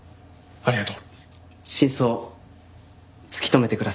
ありがとう。